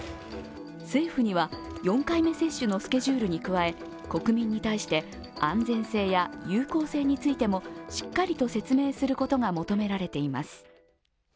政府には、４回目接種のスケジュールに加え国民に対して安全性や有効性についてもしっかりと説明することが求められています。